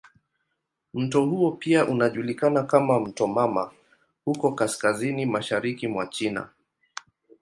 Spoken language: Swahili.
Mto huo pia unajulikana kama "mto mama" huko kaskazini mashariki mwa China.